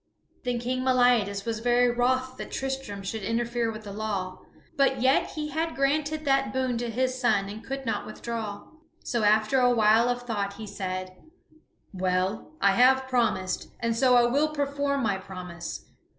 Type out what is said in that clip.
Then King Meliadus was very wroth that Tristram should interfere with the law; but yet he had granted that boon to his son and could not withdraw. So after a while of thought he said: "Well, I have promised, and so I will perform my promise.